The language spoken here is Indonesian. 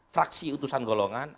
fraksi utusan golongan